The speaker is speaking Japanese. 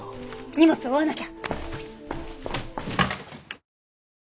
荷物を追わなきゃ。